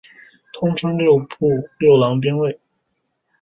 通称六郎兵卫。